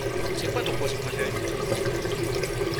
C'est quoi ton poisson préféré?